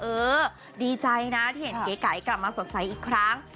เออดีใจนะที่เห็นเก๋ไก่กลับมาสดใสอีกครั้ง